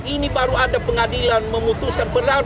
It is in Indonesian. ini baru ada pengadilan memutuskan berat